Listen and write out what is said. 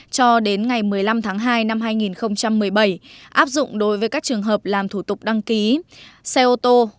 cho đến ngày một mươi năm tháng hai năm hai nghìn một mươi bảy áp dụng đối với các trường hợp làm thủ tục đăng ký xe ô tô